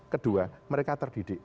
kedua mereka terdidik